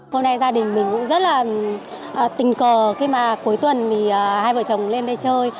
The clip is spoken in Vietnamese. hôm nay gia đình mình cũng rất là tình cờ khi mà cuối tuần thì hai vợ chồng lên đây chơi